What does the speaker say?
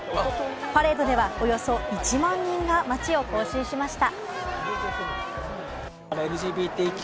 パレードではおよそ１万人が街を行進しました。